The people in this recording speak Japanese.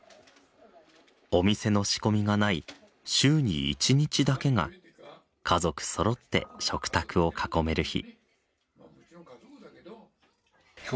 お店の仕込みがない週に１日だけが家族そろって食卓を囲める日。